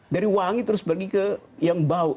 dari wangi terus pergi ke yang bau